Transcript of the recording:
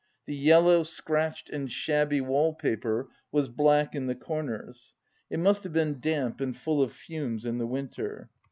The yellow, scratched and shabby wall paper was black in the corners. It must have been damp and full of fumes in the winter.